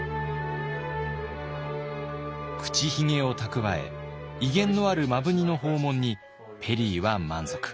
口ひげを蓄え威厳のある摩文仁の訪問にペリーは満足。